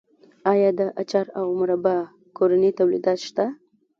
آیا د اچار او مربا کورني تولیدات شته؟